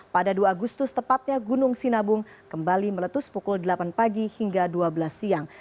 pada dua agustus tepatnya gunung sinabung kembali meletus pukul delapan pagi hingga dua belas siang